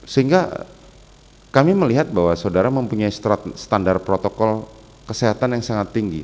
sehingga kami melihat bahwa saudara mempunyai standar protokol kesehatan yang sangat tinggi